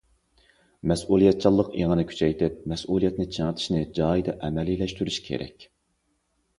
مەسئۇلىيەتچانلىق ئېڭىنى كۈچەيتىپ، مەسئۇلىيەتنى چىڭىتىشنى جايىدا ئەمەلىيلەشتۈرۈش كېرەك.